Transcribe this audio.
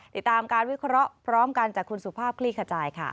ติดตามการวิเคราะห์พร้อมกันจากคุณสุภาพคลี่ขจายค่ะ